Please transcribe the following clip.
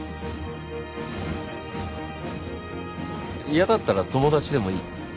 嫌だったら友達でもいい。